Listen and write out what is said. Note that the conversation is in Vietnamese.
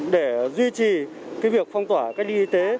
để duy trì việc phong tỏa cách ly y tế